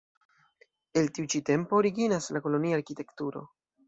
El tiu ĉi tempo originas la kolonia arkitekturo.